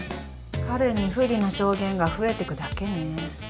彼に不利な証言が増えてくだけね。